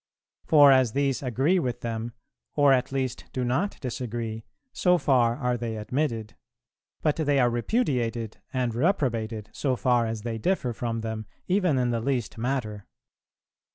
For as these agree with them, or at least do not disagree, so far are they admitted; but they are repudiated and reprobated so far as they differ from them even in the least matter."